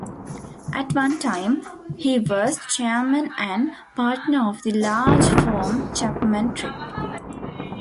At one time, he was chairman and Partner of the large firm Chapman Tripp.